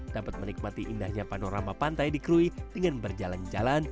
dapat menikmati indahnya panorama pantai di krui dengan berjalan jalan